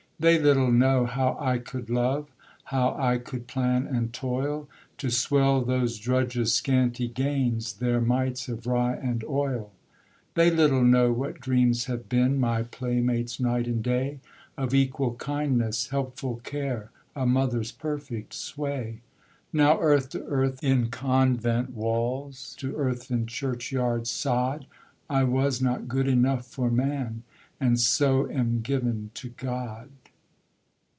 They little know how I could love, How I could plan and toil, To swell those drudges' scanty gains, Their mites of rye and oil. They little know what dreams have been My playmates, night and day; Of equal kindness, helpful care, A mother's perfect sway. Now earth to earth in convent walls, To earth in churchyard sod: I was not good enough for man, And so am given to God.